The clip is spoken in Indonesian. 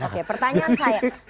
oke pertanyaan saya